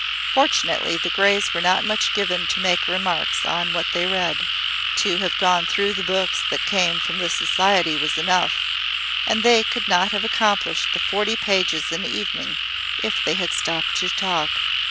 Fortunately the Greys were not much given, to make remarks on what they read. To have gone through the books that came from the Society was enough; and they could not have accomplished the forty pages an evening if they had stopped to talk.